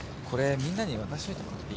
みんなに渡しといてもらっていい？